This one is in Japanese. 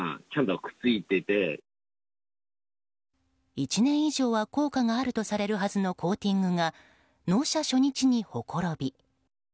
１年以上は効果があるとされるはずのコーティングが納車初日にほころび。